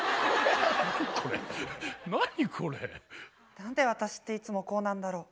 何で私っていつもこうなんだろ。